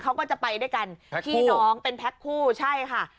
เขาก็จะไปด้วยกันพี่น้องเป็นแพ็คคู่ใช่ค่ะ